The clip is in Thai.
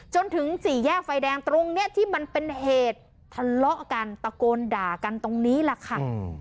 จนถึงสี่แยกไฟแดงตรงนี้ที่มันเป็นเหตุทะเลาะกันตะโกนด่ากันตรงนี้แหละค่ะ